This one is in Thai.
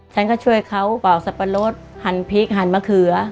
ฉันก็ช่วยเขาเป่าสับปะรดหั่นพริกหั่นมะเขือ